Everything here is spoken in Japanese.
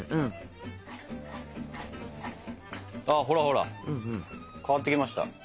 ほらほら変わってきました。